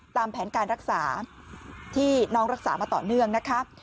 ตามแผนการรักษาที่น้องรักษามาต่อเนื่องนะคะ